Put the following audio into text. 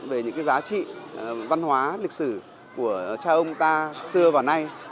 về những giá trị văn hóa lịch sử của cha ông ta xưa và nay